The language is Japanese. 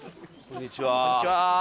こんにちは。